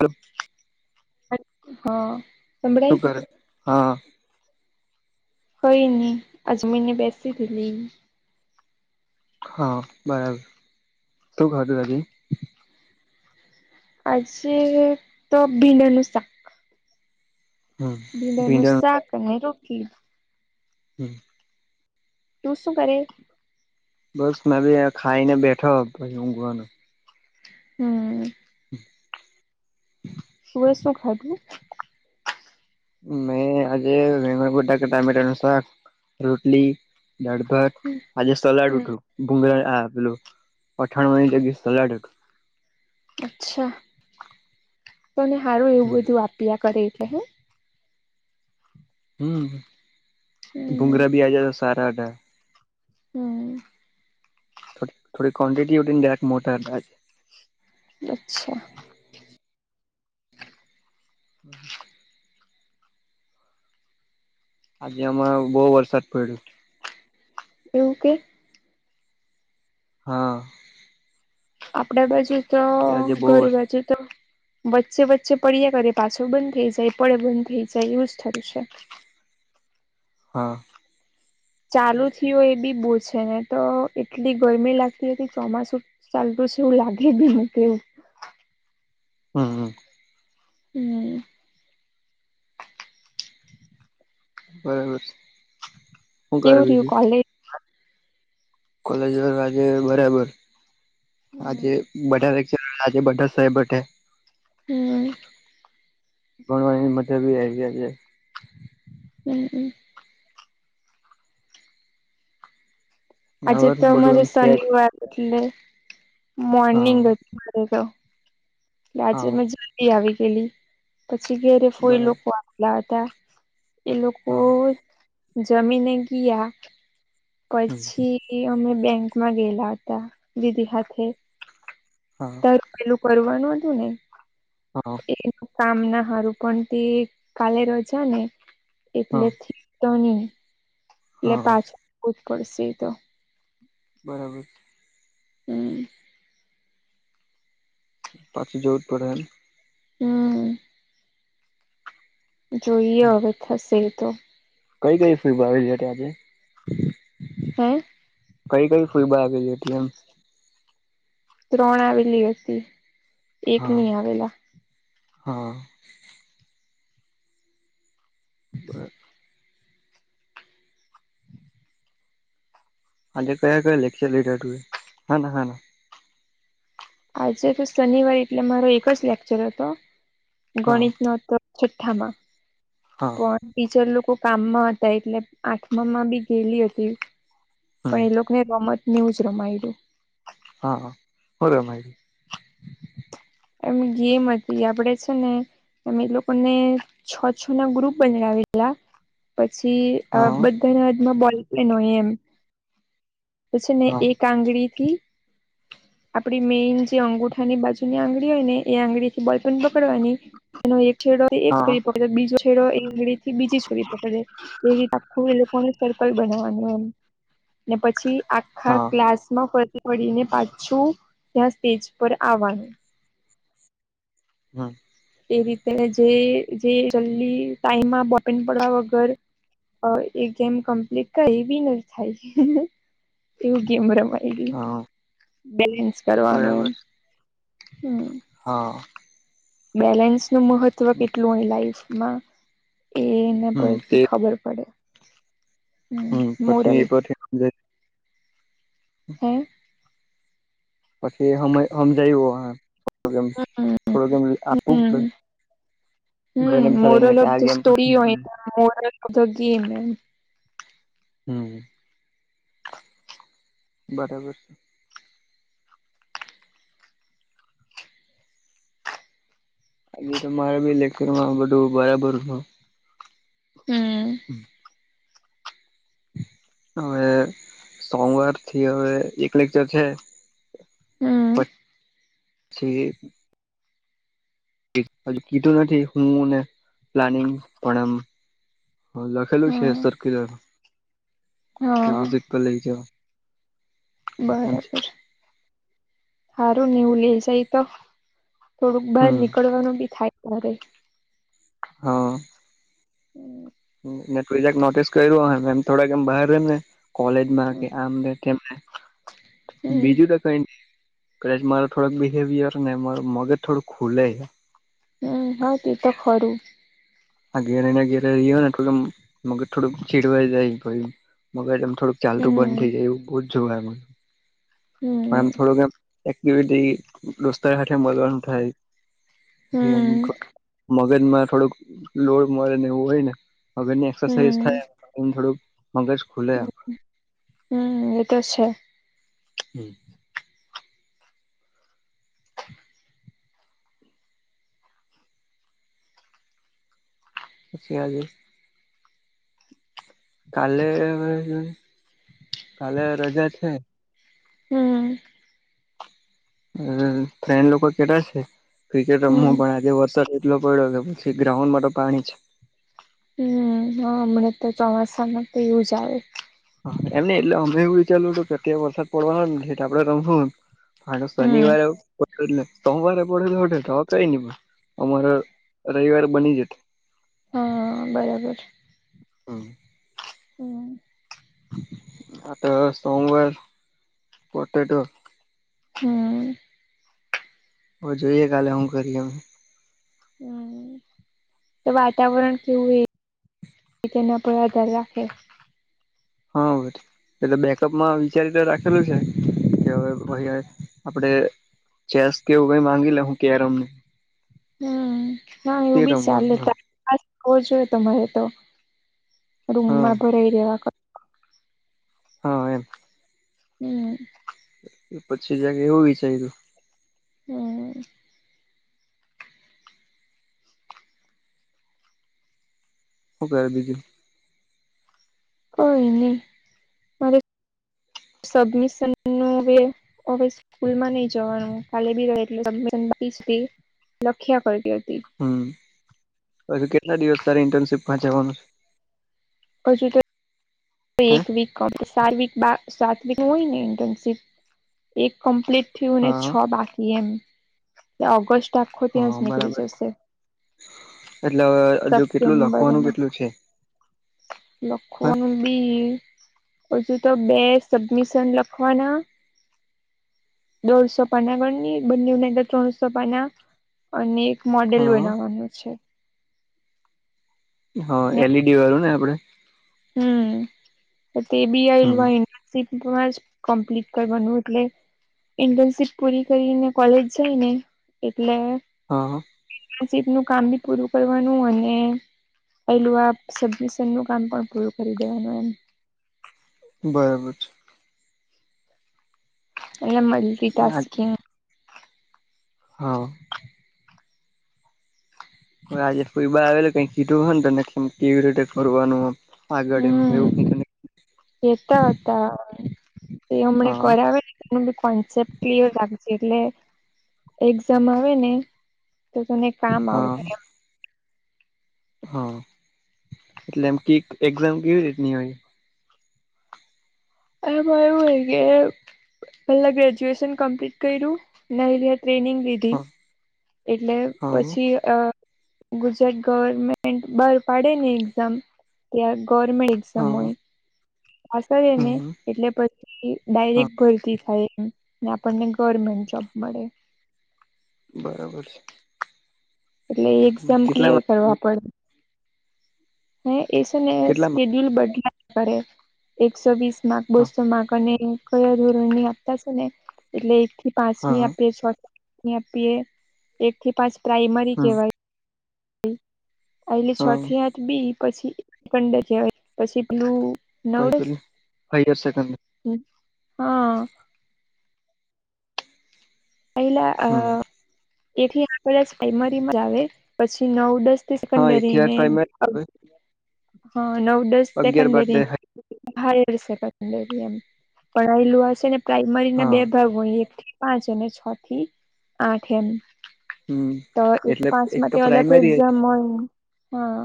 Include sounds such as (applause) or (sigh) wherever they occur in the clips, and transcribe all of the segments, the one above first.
તો (inaudible) હા શું સંભળાય કરે હા કઈ ની આ જમી ને બેસી હતી તી હા બરાબર શું ખાધું આજે આજે તો ભીંડાનું શાક હમ ભીંડાનું ભીંડા શાક અને રોટલી હમ (inaudible) તું શું કરે બસ મે ભી ખાઈને બેઠો તો ઊઘવાનું હમ (inaudible) શો (unintelligible) ખાધું મેં આજે વેંગણ બટાકા ટમેટા નું શાક રોટલી દાળભાત આજે સલાડ હમ હતું ભુંગરા પેલું અથાણાની જગ્યાએ સલાડ હતું અચ્છા તને સારું એવું હતું બધું આપ્યા કરે એટલે હે હમ હમ ભુંગરા ભી આજે તો સારા હતા હમ થોડી થોડી ક્વન્ટિટીે મોટા તા અચ્છા. હમ (inaudible) આજે અમાં બહુ વરસાદ પડ્યો એવું કે હા આપડા બાજુ તો આજે આજે બહુ ઘર વરસાદ બાજુ તો વચ્ચે વચ્ચે પડ્યા કરે પાછો બંધ થઈ જાય પડે બંધ થઈ જાય એવું જ થરું છે. હા. ચાલુ થીયો એ બી બો છે નહીં તો એટલી ગરમી લાગતી હતી ચોમાસું ચાલતું શે એવુ લાગે બી ના કે એવું હમ્મ, હમ્મ. હમ્મ. બરાબર છે. કેવુ રિયુ કોલે કોલેજ વર રાજે બરાબર. આજે હમ બધા લેક્ચર આજે બધા સાહેબ બેઠે. હમ્મ. ગણવા એને માટે ભી આઈ જાઈ હે. હમ્મ, હમ્મ. આજે હવે તો બધું મારે એમ સેટ શનિવાર એટલે હા મોર્નિંગ અજ મારે તો. એટલે આજે હા મેં જલ્દી આવી ગયેલી પછી ઘેરે ફોઈ બરાબર લોકો આવેલા હતા. એ લોકો હા જમીને ગયા હમ પછી અમે બેંકમાં ગયેલા હતા દીદી હાથે. હા. પર પેલું કરવાનું હતું ને હા એ કામ ના હારું પણ તે કાલે રજા ને હા એટલે થી તો નહી એટલે હા પાછું જવું જ પડશે એ તો. બરાબર. હમ્મ. પપાછું જવુજ પડે એમ. હમ જોઈએ હવે થશે એ તો. કઈ કઈ ફિમ આવી હતી આજે? હે કઈ કઈ ફઈબા આવી હતી એમ. ત્રણ આવેલી હતી. એક હા ની આવેલા. હા. બરા હાજે કયા કયા લેક્ચર લીધા તું એ. હાના હાના? આજે તો શનિવાર એટલે મારો એક જ લેક્ચર હતો. હા ગણિત નો હતો. છઠ્ઠામાં. હા. પણ ટીચર લોકો કામમાં હતા, એટલે આઠમા માં બી ગેલી હતી. પણ હમ એ લોકો ને રમત નું જ રમાયડુ. હા હા. હું રમાયલું? એમ ગેમ હતી. આપડે છે ને અમે લોકોને છો છો ના ગ્રુપ બનાવેેલા પછી અહ હા બધાના હદમાં બોલપેન હોય એમ. પછી ને હા એક આંગળી થી આપડી મેઈન જે અંગુઠાની બાજુની આંગળી હોય ને એ આંગળી થી બોલપેન પકડવાની એનો એક છેડો એક હા છોરી પકડે બીજો છેડો એંગડી થી બીજી છોરી પકડે એવીતે આખું એ લોકોને સર્કલ બનાવાનું એમ ને પછી આખા હા ક્લાસ માં ફ પડીને પાછું ત્યાં સ્ટેજ પર આવવાનું હમ્મ. એ રીતે જે જે જલ્દી ટાઈમમાં બપેન પડવા વગર અહ એ ગેમ કમ્પ્લીટ થાય એવી ન થાય. એવું ગેમ રમાયડુ હા બેલેન્સ કરવાનું એમ. બરાબર હમ્મ. હા. બેલેન્સ નું મહત્વ કેટલું હોય લાઈફમાં, એ ને હમ તે પથી ખબર પડે હમ્મ હમ મોરલ પછી એક વા હે પછી હમ હમમજાયુ અહે થોડું એમ આપવું પડે. હમ્મ બધાને બેસાડીને મોરલ કે ઓફ આ ધ ગેમ પરથી સ્ટોરી આપણે હોય મોરલ ઓફ ધ ગેમ એમ. હમ્મ બરાબર છે. હજ તો મારા બી લેખન માં બધું બરાબર હ. હમ્મ હવે સોમવાર થી હવે એક લેકચર છે. હમ્મ છે એ હજ કીધું નથી. હું ને પ્લાનિંગ પણ એમ હ લખેલું છે હા સર્ક્યુલર કે હા વિઝિટ પર લઈ જાવ. બરાબર હારું નેવું લે જાય તો. થોડુંક બહાર હમ નીકળવાનું બી થાય ઘરે હા મે કોઇદા નોટિસ કર્યુંમ થોડાક એમ બહાર ર ને કોલેજમાં કે હમ આમ ને તેમને બીજું તો કઈ ની કદાચ મારૂ થોડક બિહેવિયરહી ને મગજ થોડું ખુલે હમન હા તે તો ખરું. આ ઘેરે ને ઘેરે રીયો ને તો મગજ થોડ ખીડવાઈ જાય ભાઈ મગજ થોડુંક ચાલતું બંધ હમ થઈ જાય એવું બહુ જ જોવાય મ પણ આમ હમ થોડુંક એમ એક્ટિવિટી દોસ્તર હાથે મલવાનું થાય હમ એમ (unintelligible) ગમાં થોડક લોડ મળ ને એવું હોય એકસાઈઝ થાય હમ થોડુક મગજ ખુલે હમ્મ એતો છે. પછી આજે કાલે હવે કાલે રજા છે હમ્મ હમ્મ હમ્મ ફ્રેન્ડ લોકો કેતા છે ક્રિકેટ રમવું હમ પણ આજે વરસાદ એટલો પયાડો કે પછી ગ્રાઉન્ડમાં તો પાણી જ હમ્મ હ અમનેં તો ચોમાસામાં તો એવુજ આવે હા, એમ ની એટલે અમે એવું વિચારવું હતું કે વરસાદ પડવાનો નથી આપડે રમહું એમ આનું હમ શનિવારે પકડ એટલે સોમવારે પડેલ હોતે ટો કઈ ની અમારા રવિવાર બની જતે હા, બરાબર. હમ્મ હમ્મ આ તો સોમવાર પોટેટો હમ્મ જોઈએ કાલે હું કરીએ એમ. હમ તો વાતાવરણ કેવુંય. એના પર આધાર રાખે હા હવે એટલે બેકઅપમાં વિચારી તો રાખેલું છે કે હવે (unintelligible) આપડે ચેસ કેવું કઈ માંગી લે હું કેરમ ની. હમ હા એવું બી ચાલે રમવાનું તા હોવો જોઈએ તો મરે તો રૂમ હા માં ભરાઈ રેવા ક હા, એમ. હમ. પછી જરાક કે એવું વિચાર્યુ. હમ. હું કરે બીજું. કોઈ ની મારે સબમિશન નુંવે અવે સ્કૂલમાં નય જવાનું ખાલી બી એડ સબમિશન માંથી જ ફ્રી. લખ્યા કરતી અતી. હમ હજુ કેટલા દિવસ તારે ઇન્ટર્નશીપમાં જવાનું છે? અજુ તો. છે હે એક વીક કમ્પ સાત વીક હોય ને ઇન્ટર્નશીપ એક કમ્પ્લીટ. થીયુ ને હા છ બાકી એમ ઓગસ્ટ આખો ત્યાં જ હા નીકળી બરાબર જશે. એટલે હવે હજુ કેટલું લખવાનું સપ્ટેમ્બરમાં કેટલું છે? હા લખવાનું. બી હજુ તો બે સબમિશન લખવાના. દોઢસો પાના ગણ ની બંને ઉને ત્રણસો પાના અને મોડેલ હા બનાવવાનું છે. હા, ને એલ ઈ ડી વાળું ને આપડે. હમ તે બી હમ આઈલવાઈન સિમ્પમાં જ કમ્પ્લીટ કરવાનું એટલે ઇન્ટનશીપ પૂરી કરીને કોલેજ જાય ને એટલે હા અ. ઇન્ટનશિપનું કામ બી પૂરું કરવાનું અને પેલું આ સબમિશનનું કામ પણ પૂરું કરી દેવાનું એમ બરાબર છે. એણે મલ્ટીટાસ્કીિંગ. હા. આજે કોઈ બાર આવેલું કઈ કીધું હોને તને કેમ કેવી રીતે કરવાનું. આગળ એમ હું એવું કઈ તને કેતા હતા તે અમણે હા કરાવે ને નું બિ કોન્સેપ્ટ ક્લિયર રાખજે એટલે એક્ઝામ આવે ને તો તને કામ આવહે હા એમ હા એટલે એમ કે એક્ઝામ કેવી રીતની હોય. આમાં એવું હોય કે. પેલા ગ્રેજ્યુએશન કમ્પ્લીટ કયરું ને અયરી આ ટ્રેનિંગ લીધી. હા ધી એટલે હા પછી. અ ગુજરાત ગવર્મેન્ટ બાર પાડે ને એક્ઝામ ત્યાર ગવર્મેન્ટ એક્ઝામ હા હોય. પાસ થયેને હમ એટલે પછી હા ડાયરેક ભરતી થાય આપણને ગવરમેન્ટ જોબ મળે. બરાબર છે. એટલે એક્ઝામ કેટલા ક્લિયર કરવા પડે. હે એસને કેટલામાં સ્કેડ્યુલ બદલાયા કરે એકસો વીસ માક હા બસો માક અને કયા ધોરણની આપતા છે ને. એટલે એક થી પાંચ ની હા આપીએ છ ની આપીએ એક થી પાંચ પ્રાાઈમરી હમ કેવાય આયલી હા છથી હાથ બી પછી કંડ કેવાય પછી પેલું પહી નવડસ પેલું હાયર સેકન્ડરી હા પહિલા અ હમ એથી આપડચ પાયમરીમાં જ આવે પછી નવ દસ હા સેકન્ડરી એકથી આઠ ને પ્રાઈમરી હ નવદસ અગિયાર બાર સેકન્ડરી તે હાયર સેકન્ડરી એમ પર આયલું આ શે ને પ્રાઈમરી હા ના બે ભાગ હું એકથી પાંચ અને છથી આઠ એમ હમ તો એક એટલે પાંચ તો માતે અલગ પ્રાઈમરી એક્ઝામ હોય ને હા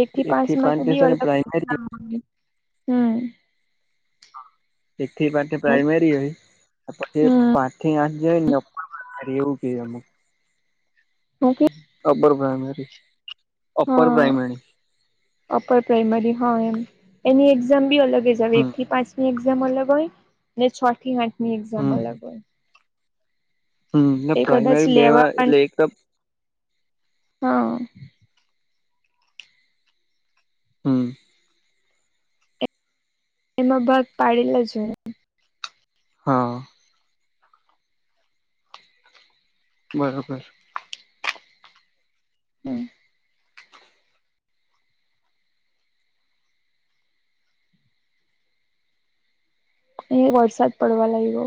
એક થી પાંચ માટે બી અલગ એક્ઝામ હ એક થી પાચ તે પ્રાઈમરી હોય તે હમ પાંચ થી આઠ જે હોયને એવું કે એમ ઓકે અપર પ્રાઈમરી અપર હા પ્રાઈમરી અપર પ્રાઈમરી હ એમ એની એક્ઝામ બી અલગ જ હ એક હમ થી પાંચની એઝામ અલગ હોય ને છ થી આઠ ની એક્ઝામ હમ અલગ હોય હમ એ કદાચ પ્રાઈમરી બે લેવા અને એટલે એક હા હું એમાં ભાગ પાડેલા જ હોય હા બરોબર છે (inaudible) અયે વરસાદ પડવા લાયગો